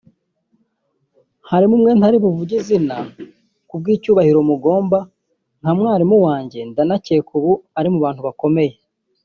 Harimo umwe ntari buvuge izina ku bw’icyubahiro mugomba nka mwarimu wanjye ndanakeka ubu ari umuntu ukomeye